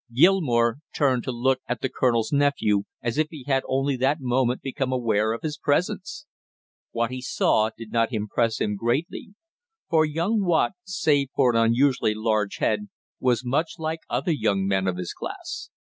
Gilmore turned to look at the colonel's nephew as if he had only that moment become aware of his presence. What he saw did not impress him greatly, for young Watt, save for an unusually large head, was much like other young men of his class.